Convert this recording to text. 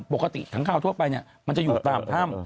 ปกติค้างข่าวทั่วไปเนี่ยมันจะอยู่ตามถ้ำ